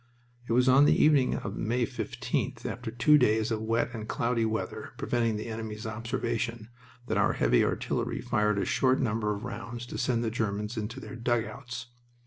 It was on the evening of May 15th, after two days of wet and cloudy weather preventing the enemy's observation, that our heavy artillery fired a short number of rounds to send the Germans into their dugouts.